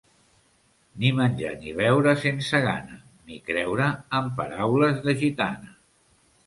Ni menjar ni beure sense gana, ni creure en paraules de gitana.